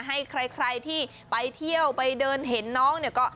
ให้ใครที่ไปเที่ยวไปเดินเห็นน้อง